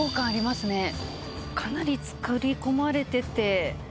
かなり作り込まれてて。